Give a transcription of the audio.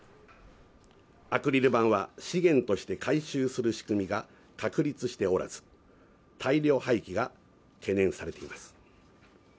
アクリル板は資源として回収する仕組みが確立しておらず、大量廃棄が懸念されています。